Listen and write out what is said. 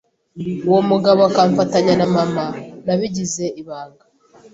uwo mugabo akamfatanya na ma nabigize ibanga